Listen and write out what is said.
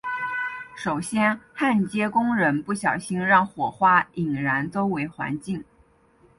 首先焊接工人不小心让火花引燃周围环境。